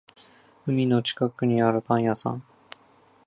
海の近くにあるパン屋さん